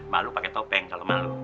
malu pakai topeng kalau malu